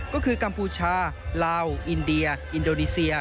ก็คือกัมพูชาลาวอินเดียอินโดนีเซีย